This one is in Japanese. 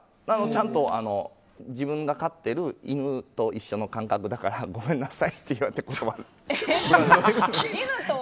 ちゃんと自分が飼ってる犬と一緒の感覚だからごめんなさいって言われて終わりました。